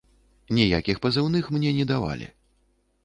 Ніякіх пазыўных мне не давалі.